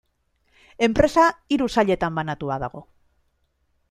Enpresa hiru sailetan banatua dago.